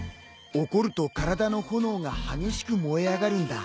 怒ると体の炎が激しく燃え上がるんだ。